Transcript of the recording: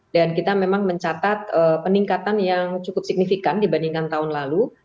dan kita memang mencatat peningkatan yang cukup signifikan dibandingkan tahun lalu